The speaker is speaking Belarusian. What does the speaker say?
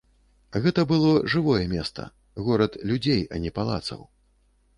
Гэта было жывое места, горад людзей, а не палацаў.